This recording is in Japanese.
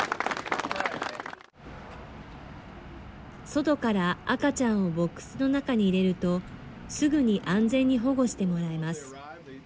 外から赤ちゃんをボックスの中に入れると、すぐに安全に保護してもらえます。